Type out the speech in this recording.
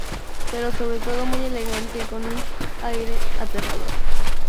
Pero sobre todo muy elegante y con un aire aterrador.